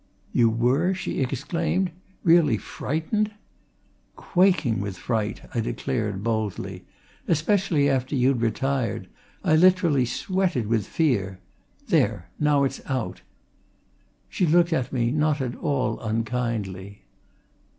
"You were?" she exclaimed. "Really frightened?" "Quaking with fright!" I declared boldly. "Especially after you'd retired. I literally sweated with fear. There! Now it's out!" She looked at me not at all unkindly.